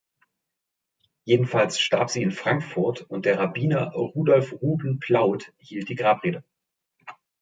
Jedenfalls starb sie in Frankfurt und der Rabbiner Rudolf Ruben Plaut hielt die Grabrede.